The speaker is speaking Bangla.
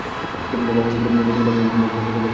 বাবা মনে করে, বোতল ভাঙলেই, মদ খাওয়া ছেড়ে দিবো?